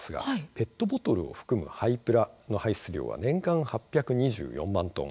ペットボトルを含む、廃プラの排出量は年間８２４万トン。